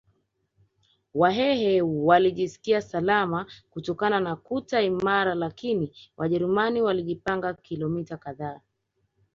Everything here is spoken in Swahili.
Wahehe walijisikia salama kutokana na kuta imara lakini Wajerumani walijipanga kilomita kadhaa